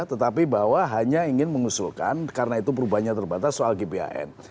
tetapi bahwa hanya ingin mengusulkan karena itu perubahannya terbatas soal gbhn